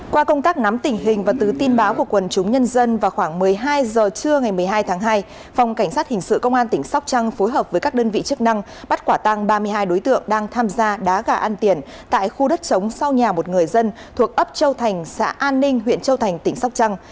qua công tác nắm tình hình và từ tin báo của quần chúng nhân dân vào khoảng một mươi hai h trưa ngày một mươi hai tháng hai phòng cảnh sát hình sự công an tỉnh sóc trăng phối hợp với các đơn vị chức năng bắt quả tăng ba mươi hai đối tượng đang tham gia đá gà ăn tiền tại khu đất chống sau nhà một người dân thuộc ấp châu thành xã an ninh huyện châu thành tỉnh sóc trăng